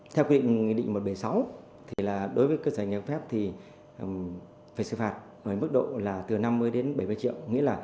theo quy định một trăm bảy mươi sáu đối với cơ sở hành nghề không phép thì phải xử phạt mức độ là từ năm mươi đến bảy mươi triệu